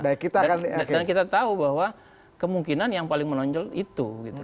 dan kita tahu bahwa kemungkinan yang paling menonjol itu